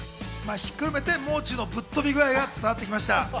ひっくるめて、もう中のぶっ飛び具合が伝わってきました。